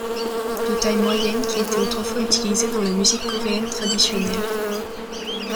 De taille moyenne qui était autrefois utilisée dans la musique coréenne traditionnelle.